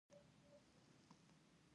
ټپه ده: ښکلي په یوه هډوکي دوه سپي غولوینه